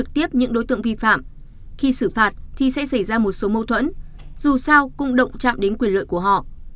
tiếp những đối tượng vi phạm khi xử phạt thì sẽ xảy ra một số mâu thuẫn dù sao cũng động chạm đến quyền lợi của họ